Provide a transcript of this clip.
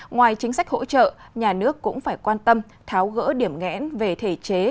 ngoài chính sách hỗ trợ nhà nước cũng phải quan tâm tháo gỡ điểm nghẽn về thể chế